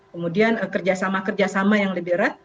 kemudian kerjasama kerjasama yang lebih erat